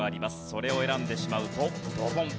それを選んでしまうとドボン。